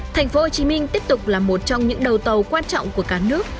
thành phố hồ chí minh tiếp tục là một trong những đầu tàu quan trọng của cả nước